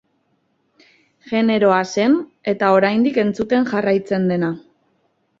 Generoa zen, eta oraindik entzuten jarraitzen dena.